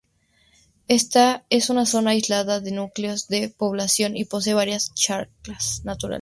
Está en una zona aislada de núcleos de población, y posee varias charcas naturales.